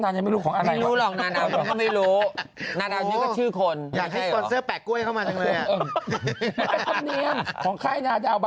อยากให้ฟันเสื้อแปะก้วยเข้ามาแล้ว